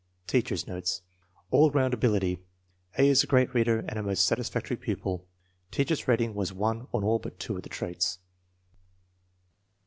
Teacher's notes. All round ability. " A. is a great reader and a most satisfactory pupil." Teacher's rating was 1 on all but two of the traits.